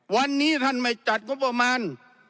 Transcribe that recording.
วันนี้ท่านไม่จัดงบประมาณ